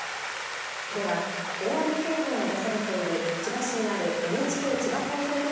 では大雨警報が出されている千葉市にあるＮＨＫ千葉放送局